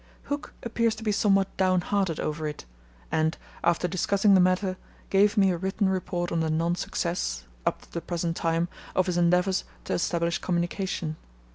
Hooke appears to be somewhat downhearted over it, and, after discussing the matter, gave me a written report on the non success (up to the present time) of his endeavours to establish communication.